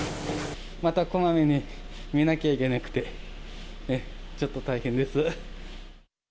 またこまめに見なきゃいけなくて、ちょっと大変です。